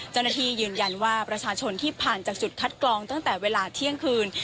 เจ้าหน้าที่ยืนยันว่าประชาชนที่ผ่านจากจุดคัดกรองตั้งแต่เวลาเที่ยงคืน